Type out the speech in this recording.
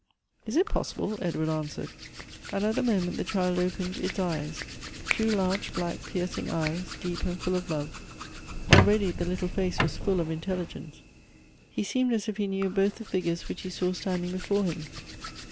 " Is it possible ?" Edward answered ; and at the mo ment the child opened its eyes — two large, black, pierc ing eyes, deep and full of love ; already the little face was full of intelligence. He seemed as if he knew both the figures which he saw standing before him.